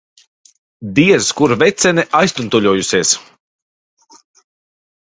Diez kur vecene aiztuntuļojusies.